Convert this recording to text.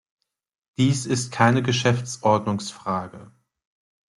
Dies ist keine Geschäftsordnungsfrage.